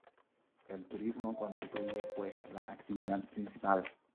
El turismo constituye pues la actividad principal.